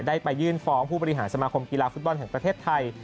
ไปยื่นฟ้องผู้บริหารสมาคมกีฬาฟุตบอลแห่งประเทศไทย